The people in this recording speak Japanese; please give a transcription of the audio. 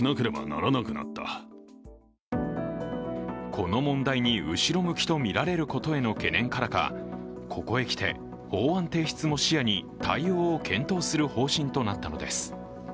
この問題に後ろ向きとみられることへの懸念からかここへきて法案提出も視野に対応を検討する方針となったのです。